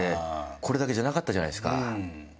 これだけじゃなかったじゃないですか。